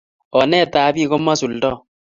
Onet ab pik ko masulda